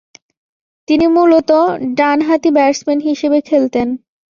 তিনি মূলতঃ ডানহাতি ব্যাটসম্যান হিসেবে খেলতেন।